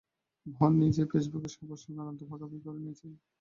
বর নিজেই ফেসবুকে সবার সঙ্গে আনন্দ ভাগাভাগি করে নিয়েছেন।